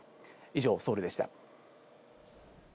以上、ソウルでした。